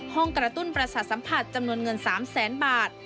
กระตุ้นประสาทสัมผัสจำนวนเงิน๓แสนบาท